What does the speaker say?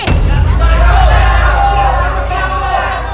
ya tuhan ya tuhan